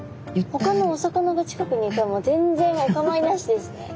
ほかのお魚が近くにいても全然お構いなしですね。